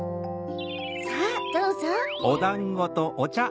さぁどうぞ。